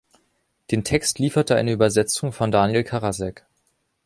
Den Text lieferte eine Übersetzung von Daniel Karasek.